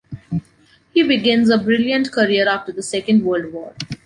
He begins a brilliant career after the Second World War.